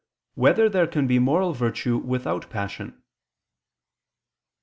5] Whether There Can Be Moral Virtue Without Passion?